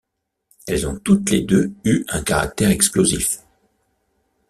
Elles ont toutes les deux eu un caractère explosif.